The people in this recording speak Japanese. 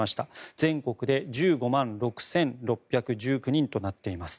全国で１５万６６１９人となっています。